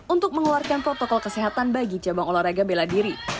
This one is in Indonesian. untuk mengeluarkan protokol kesehatan bagi cabang olahraga bela diri